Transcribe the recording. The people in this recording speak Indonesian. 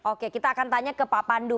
oke kita akan tanya ke pak pandu